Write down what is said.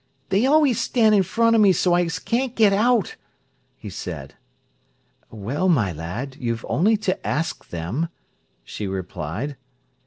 "They always stan' in front of me, so's I can't get out," he said. "Well, my lad, you've only to ask them," she replied.